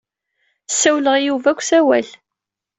Ssawleɣ i Yuba deg usawal.